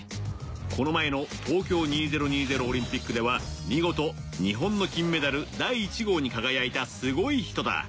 この前の東京２０２０オリンピックでは見事日本の金メダル第１号に輝いたすごい人だ。